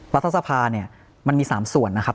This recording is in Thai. รัฐสภาเนี่ยมันมี๓ส่วนนะครับ